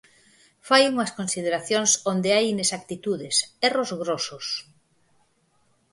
Fai unhas consideracións onde hai inexactitudes, erros grosos.